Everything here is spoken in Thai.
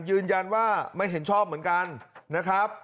ยืนยันว่าไม่เห็นชอบเหมือนกันนะครับ